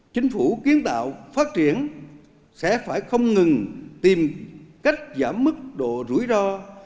chính phủ kiến tạo phát triển sẽ phải không ngừng tìm cách giảm mức độ rủi ro